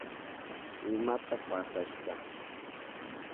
¿Imata pasashka?